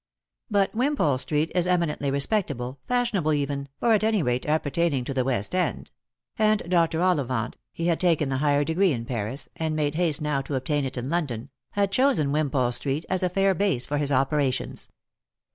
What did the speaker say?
But Wimpole street is eminently respectable, fashionable even, or at any rate appertaining to the West end ; and Dr. Ollivant — he had taken the higher degree in Paris, and made haste now to obtain it in London — had chosen Wimpole street as a fair base for his operations.